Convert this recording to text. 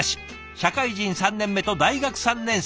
社会人３年目と大学３年生。